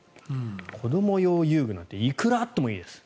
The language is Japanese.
子ども用遊具なんていくらあってもいいです。